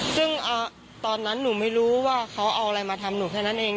ซึ่งตอนนั้นหนูไม่รู้ว่าเขาเอาอะไรมาทำหนูแค่นั้นเอง